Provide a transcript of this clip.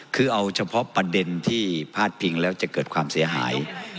คือเอาเฉพาะประเด็นที่พาดพิงแล้วจะเกิดความเสียหาย